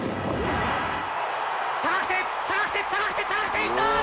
高くて高くて高くて高くていったー！